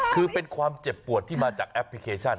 คือเป็นความเจ็บปวดที่มาจากแอปพลิเคชัน